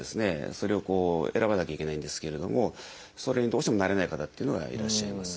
それを選ばなきゃいけないんですけれどもそれにどうしても慣れない方っていうのがいらっしゃいます。